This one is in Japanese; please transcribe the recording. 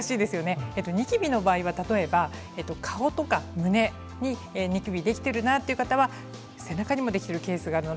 ニキビの場合は顔とか胸にニキビができている人は背中にもできているケースがあります。